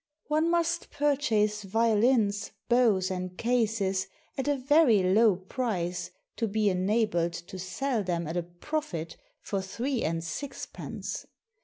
One must purchase violins, bows, and cases at a very low price to be enabled to sell them at a profit for three and sixpence.